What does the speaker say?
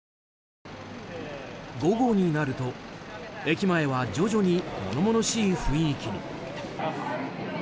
午後になると、駅前は徐々に物々しい雰囲気に。